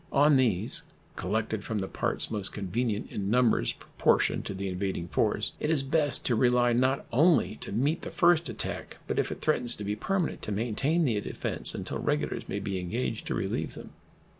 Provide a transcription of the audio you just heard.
On these, collected from the parts most convenient in numbers proportioned to the invading force, it is best to rely not only to meet the first attack, but if it threatens to be permanent to maintain the defense until regulars may be engaged to relieve them.